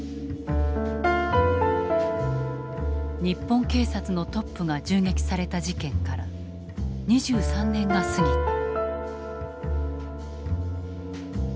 日本警察のトップが銃撃された事件から２３年が過ぎた。